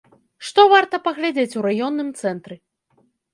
Што варта паглядзець у раённым цэнтры?